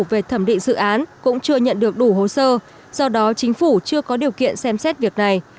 về thẩm định dự án cũng chưa nhận được đủ hồ sơ do đó chính phủ chưa có điều kiện xem xét việc này